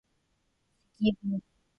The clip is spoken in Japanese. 積分